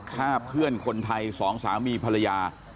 ฆ่าเพื่อนคนไทยสองสามีภรรยา